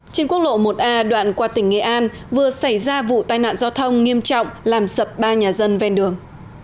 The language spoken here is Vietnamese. trên quốc lộ một a đoạn qua tỉnh nghệ an vừa xảy ra vụ tai nạn giao thông nghiêm trọng làm sập ba nhà dân ven đường